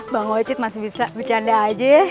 bang ocit masih bisa bercanda aja